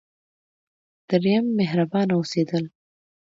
دریم: مهربانه اوسیدل.